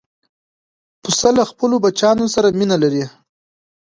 پسه له خپلو بچیانو سره مینه لري.